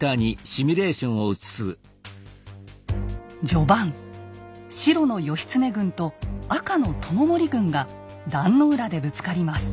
序盤白の義経軍と赤の知盛軍が壇の浦でぶつかります。